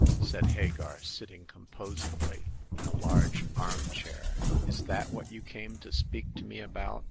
" said Hagar, sitting com posedly in a large arm chair. Is that what you came to speak to me about